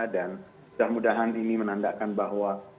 dan semudahan ini menandakan bahwa